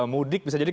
mudik bisa jadi